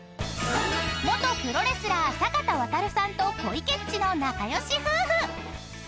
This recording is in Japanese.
［元プロレスラー坂田亘さんと小池っちの仲良し夫婦］